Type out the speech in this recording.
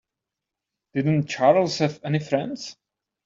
Didn't Charles have any friends?